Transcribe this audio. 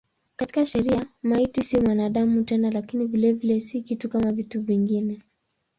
Katika sheria maiti si mwanadamu tena lakini vilevile si kitu kama vitu vingine.